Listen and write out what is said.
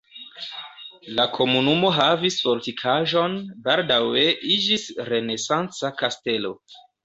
La komunumo havis fortikaĵon, baldaŭe iĝis renesanca kastelo.